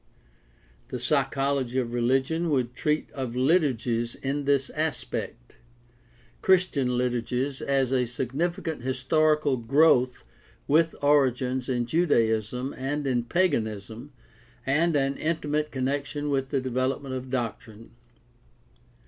The psychology of religion would treat of liturgies in this aspect. Christian liturgies has a significant historical growth with origins in Judaism and in paganism and an intimate connec tion with the development of doctrine.